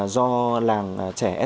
do làng trẻ